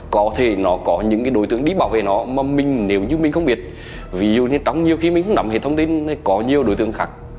có khả năng